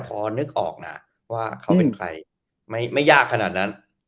พอนึกออกนะว่าเขาเป็นใครไม่ยากขนาดนั้น